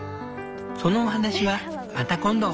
そのお話はまた今度。